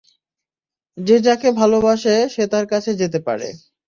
যে যাকে ভালবাসে সে তার কাছে যেতে পারে।